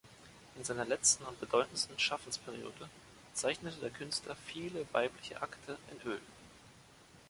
In seiner letzten und bedeutendsten Schaffensperiode zeichnete der Künstler viele weibliche Akte in Öl.